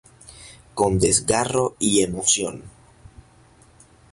Con desgarro y emoción.